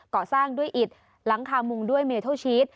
ก่อสร้างด้วยอิดหลังคามุงด้วยเมทัลชีส